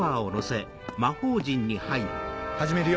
始めるよ。